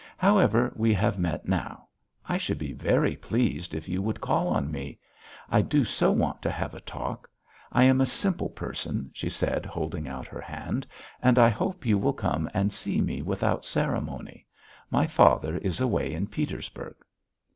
However, we have met now. I should be very pleased if you would call on me. I do so want to have a talk. I am a simple person," she said, holding out her hand, "and I hope you will come and see me without ceremony. My father is away, in Petersburg."